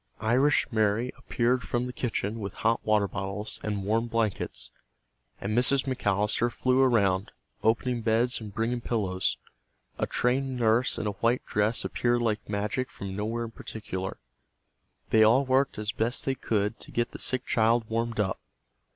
Irish Mary appeared from the kitchen with hot water bottles and warm blankets, and Mrs. McAllister flew around, opening beds and bringing pillows. A trained nurse in a white dress appeared like magic from nowhere in particular. They all worked as best they could to get the sick child warmed up.